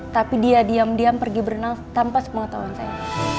tapi dia diam diam pergi berenang tanpa sepengetahuan saya